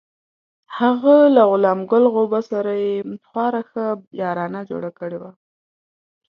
هغه له غلام ګل غوبه سره یې خورا ښه یارانه جوړه کړې وه.